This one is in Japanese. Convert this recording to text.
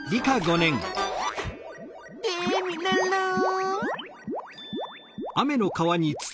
テミルンルン！